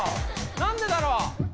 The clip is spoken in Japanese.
何でだろう？